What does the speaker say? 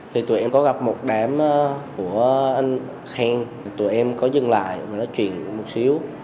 thì tụi em có gặp một đám của anh khang tụi em có dừng lại và nói chuyện một xíu